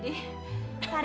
itu lucu sekali